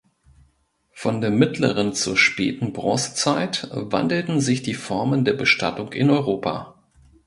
Von der mittleren zur späten Bronzezeit wandelten sich die Formen der Bestattung in Europa.